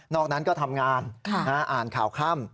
อกนั้นก็ทำงานอ่านข่าวค่ำ